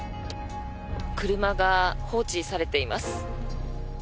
車が放置されています。